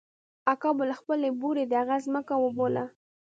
اکا به له خپلې بوړۍ د هغه ځمکه اوبوله.